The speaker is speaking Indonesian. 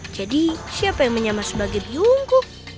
jadi siapa yang menyamar sebagai biungku